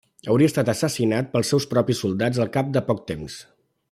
Hauria estat assassinat pels seus propis soldats al cap de poc temps.